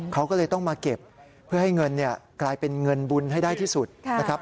เขาก็เลยต้องมาเก็บเพื่อให้เงินกลายเป็นเงินบุญให้ได้ที่สุดนะครับ